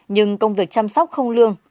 nhưng công việc chăm sóc không lương